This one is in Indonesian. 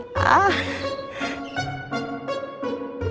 suka bikin iyuyun deg degan